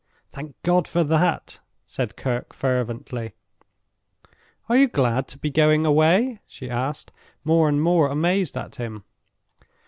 "Thank God for that!" said Kirke, fervently. "Are you glad to be going away?" she asked, more and more amazed at him.